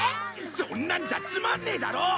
そんなんじゃつまんねえだろ！